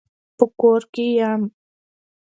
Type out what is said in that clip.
په کور کي يم .